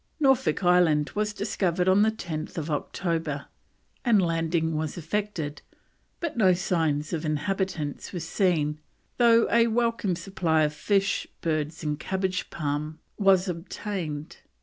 Norfolk Island was discovered on 10th October, and a landing was effected, but no sign of inhabitants was seen, though a welcome supply of fish, birds, and cabbage palm was obtained.